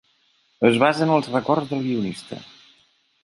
Es basa en els records del guionista.